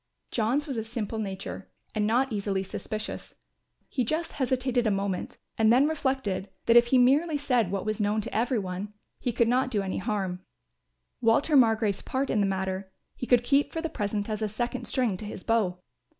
John's was a simple nature and not easily suspicious; he just hesitated a moment and then reflected that if he merely said what was known to every one he could not do any harm. Walter Margrove's part in the matter, he could keep for the present as a second string to his bow.